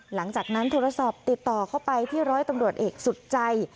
หลังจากนั้นโทรศัพท์ติดต่อเข้าไปที่ร้อยตำรวจเอกสุดใจ